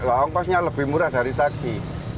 ongkosnya lebih murah dari taksi